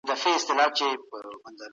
د ديني او اخلاقي اصولو پياوړي کول مهم دی.